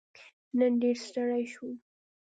نن ډېر ستړی شوم